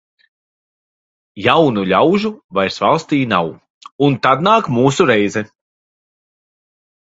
Jaunu ļaužu vairs valstī nav, un tad nāk mūsu reize.